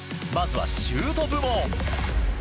まずは、シュート部門！